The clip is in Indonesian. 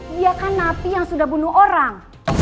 dia kan napi yang sudah bunuh orang